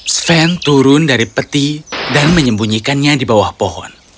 sven turun dari peti dan menyembunyikannya di bawah pohon